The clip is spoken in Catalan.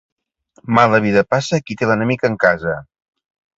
Mala vida passa qui té l'enemic en casa.